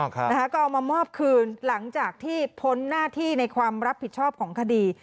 ก็เอามามอบคืนหลังจากที่พ้นหน้าที่ในความรับผิดชอบของคดี